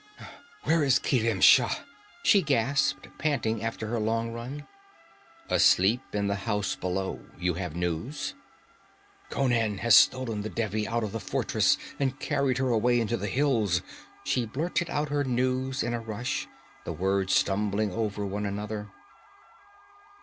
'Where is Kerim Shah?' she gasped, panting after her long run. 'Asleep in the house below. You have news?' 'Conan has stolen the Devi out of the fortress and carried her away into the hills!' She blurted out her news in a rush, the words stumbling over one another.